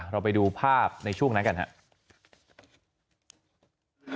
เราไปดูภาพในช่วงนั้นกันครับ